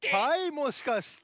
もしかして！